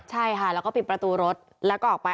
ใช่ค่ะแล้วก็ปิดประตูรถแล้วก็ออกไป